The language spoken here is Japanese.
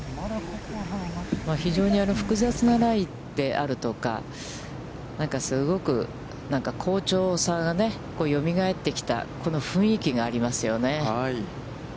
非常に複雑なライであるとか、すごく好調さがよみがえってきた、この雰囲気がありますよね。